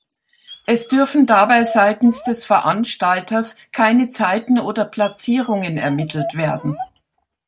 Es dürfen dabei seitens des Veranstalters keine Zeiten oder Platzierungen ermittelt werden.